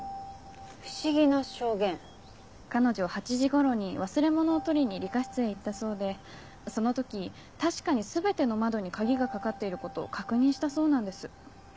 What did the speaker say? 彼女８時頃に忘れ物を取りに理科室へ行ったそうでその時確かに全ての窓に鍵が掛かっていることを確認したそうなんです。